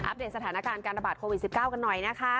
เดตสถานการณ์การระบาดโควิด๑๙กันหน่อยนะคะ